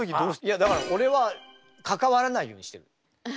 いやだから俺は関わらないようにしてる。